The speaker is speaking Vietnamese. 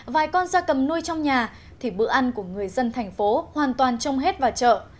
vài con gia cầm nuôi trong nhà thì bữa ăn của người dân thành phố hoàn toàn trông hết vào chợ